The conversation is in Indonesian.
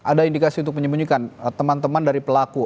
ada indikasi untuk menyembunyikan teman teman dari pelaku